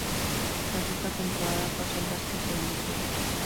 Tras esta temporada, pasó al básquet europeo.